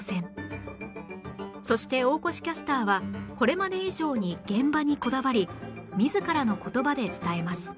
そして大越キャスターはこれまで以上に現場にこだわり自らの言葉で伝えます